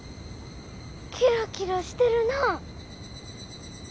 キラキラしてるな。